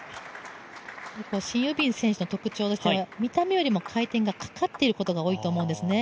シン・ユビン選手の特徴としては、見た目よりも回転がかかっていることが多いですね。